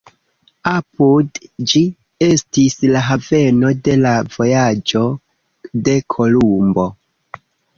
Apud ĝi estis la haveno de la vojaĝo de Kolumbo.